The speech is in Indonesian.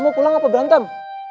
mau pulang apa berantem